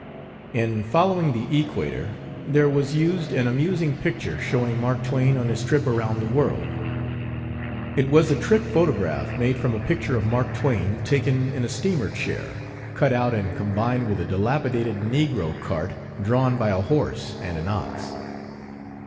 In Following the Equator there was used an amusing picture showing Mark Twain on his trip around the world. It was a trick photograph made from a picture of Mark Twain taken in a steamer chair, cut out and combined with a dilapidated negro cart drawn by a horse and an ox.